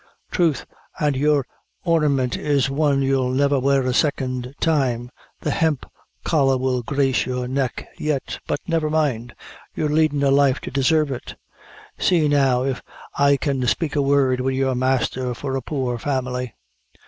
"Throth, and. your ornament is one you'll never wear a second time the hemp collar will grace your neck yet; but never mind, you're leadin' the life to desarve it. See now if I can spake a word wid your masther for a poor family."